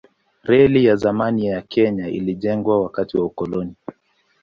Reli ya zamani ya Kenya ilijengwa wakati wa ukoloni.